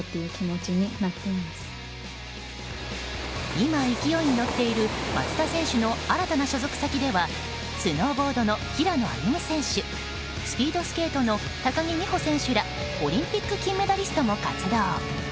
今、勢いに乗っている松田選手の新たな所属先ではスノーボードの平野歩夢選手スピードスケートの高木美帆選手らオリンピック金メダリストも活動。